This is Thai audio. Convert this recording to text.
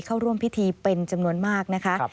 เข้าร่วมพิธีเป็นจำนวนมากนะคะ